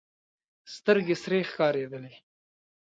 سترګې سرې ښکارېدلې.